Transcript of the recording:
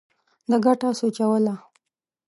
ده ګټه سوچوله.